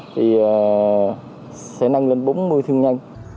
thì sẽ nâng lên bốn mươi thương nhân